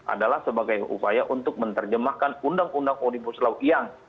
adalah sebagai upaya untuk menerjemahkan undang undang omnibus law yang